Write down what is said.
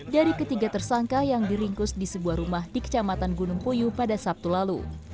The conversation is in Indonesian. dari ketiga tersangka yang diringkus di sebuah rumah di kecamatan gunung puyuh pada sabtu lalu